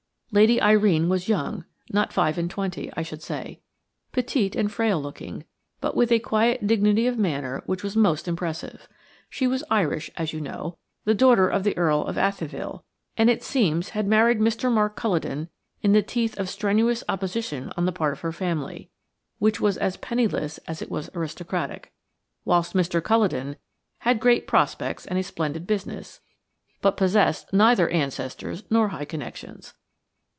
Lady Irene was young–not five and twenty, I should say–petite and frail looking, but with a quiet dignity of manner which was most impressive. She was Irish, as you know, the daughter of the Earl of Athyville, and, it seems, had married Mr. Mark Culledon in the teeth of strenuous opposition on the part of her family, which was as penniless as it was aristocratic, whilst Mr. Culledon had great prospects and a splendid business, but possessed neither ancestors nor high connections.